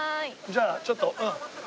じゃあちょっとうん。